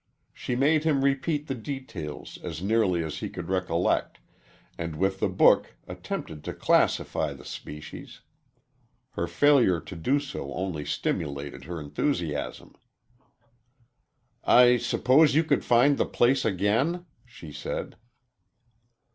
She made him repeat the details as nearly as he could recollect, and with the book attempted to classify the species. Her failure to do so only stimulated her enthusiasm. "I suppose you could find the place, again," she said.